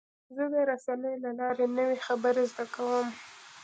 زه د رسنیو له لارې نوې خبرې زده کوم.